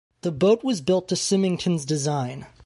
The boat was built to Symington's design.